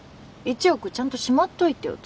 １億ちゃんとしまっといてよ。